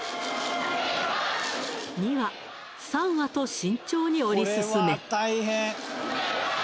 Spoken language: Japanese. ２羽３羽と慎重に折り進め